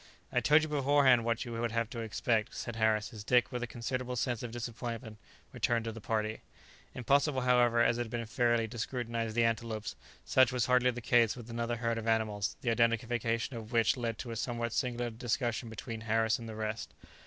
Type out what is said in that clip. "I told you beforehand what you would have to expect," said Harris, as Dick, with a considerable sense of disappointment, returned to the party. Impossible, however, as it had been fairly to scrutinize the antelopes, such was hardly the case with another herd of animals, the identification of which led to a somewhat singular discussion between Harris and the rest.